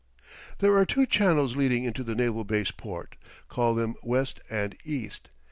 There are two channels leading into the naval base port call them West and East.